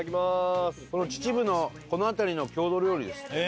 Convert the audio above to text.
秩父のこの辺りの郷土料理ですって。